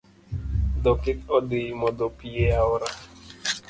Dhok odhii modho pii e aora.